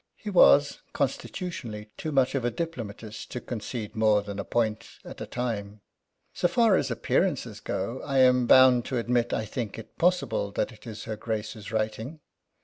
He was, constitutionally, too much of a diplomatist to concede more than a point at a time. "So far as appearances go, I am bound to admit that I think it possible that it is her Grace's writing."